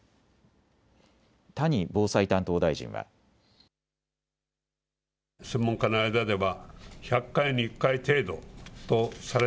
谷防災担当大臣は。